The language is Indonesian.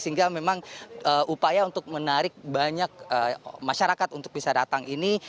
sehingga memang upaya untuk menarik banyak masyarakat untuk bisa datang ini